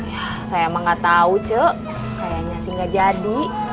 kalau saya emang gak tau cek kayaknya sih nggak jadi